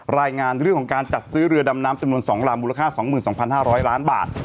รายงานเรื่องของการจัดซื้อเรือดำน้ำจำนวน๒ลำมูลค่า๒๒๕๐๐ล้านบาท